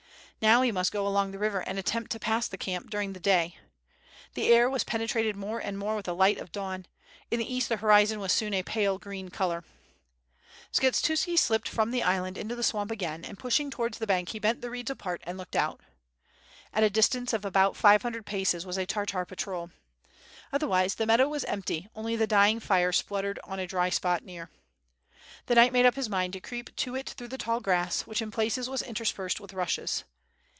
Now he must ^o along the river and attempt to pass the camp during the day. The air was pentrated more and more with the light of dawn. In the east the horizon was soon a pale green color. Skshetuski slipped from the island into the swamp again, and pushing towards the bank he bent the reeds apart and looked out. At a distance of about five hundred paces was a Tartar patrol. Otherwise the meadow was empty, only the dying fire spluttered on a dry spot near. The knight made up his mind to creep to it through the tall grass, which in places was interspersed with rushes.